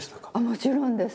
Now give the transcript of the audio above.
もちろんです。